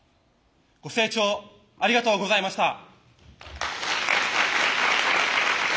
ご清聴ありがとうございました。